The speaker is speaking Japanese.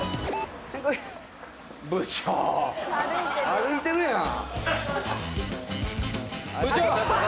歩いてるやん。